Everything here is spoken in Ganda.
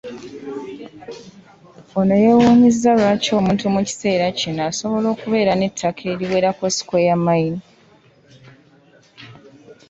Ono yeewuunyizza lwaki omuntu omu mu kiseera kino asobola okubeera n’ettaka eriwerako ssikweya Mayiro.